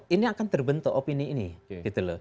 ini akan terbentuk opini ini